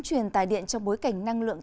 chuyển tài điện trong bối cảnh năng lượng